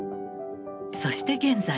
そして現在。